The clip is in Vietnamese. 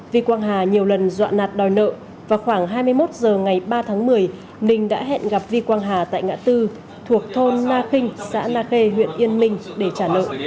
vi quang hà nhiều lần dọa nạt đòi nợ và khoảng hai mươi một h ngày ba tháng một mươi nình đã hẹn gặp vi quang hà tại ngã tư thuộc thôn na kinh xã na kê huyện yên minh để trả nợ